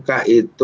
maksudnya yang maju